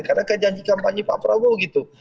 karena kayak janji kampanye pak prabowo gitu